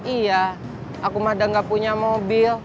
iya aku mah udah gak punya mobil